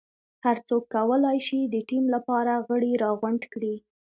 هر څوک کولای شي د ټیم لپاره غړي راغونډ کړي.